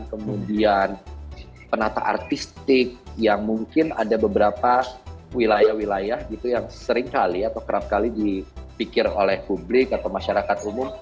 kemudian penata artistik yang mungkin ada beberapa wilayah wilayah gitu yang seringkali atau kerap kali dipikir oleh publik atau masyarakat umum